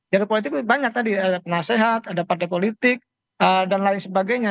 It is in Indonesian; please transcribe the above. ya politik banyak tadi ada penasehat ada partai politik dan lain sebagainya